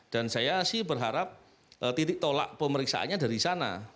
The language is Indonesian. dan saya sih berharap titik tolak pemeriksaannya dari sana